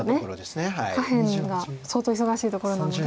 下辺が相当忙しいところなので。